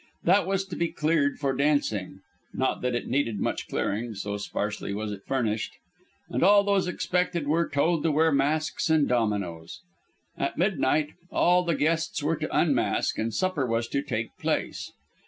That was to be cleared for dancing not that it needed much clearing, so sparsely was it furnished and all those expected were told to wear masks and dominoes. At midnight all the guests were to unmask, and supper was to take place.